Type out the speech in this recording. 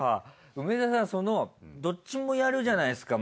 梅沢さんそのどっちもやるじゃないですか